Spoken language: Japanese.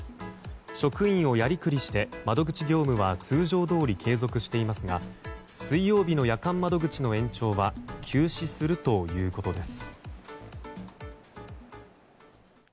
職員をやりくりして窓口業務は通常どおり継続していますが水曜日の夜間窓口の延長は休止するということです。